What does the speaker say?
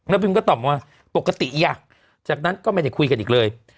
บิมก็ตอบมาว่าปกติอยากจากนั้นก็ไม่ได้คุยกันอีกเลย